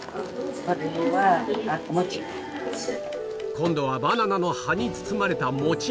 今度はバナナの葉に包まれたもち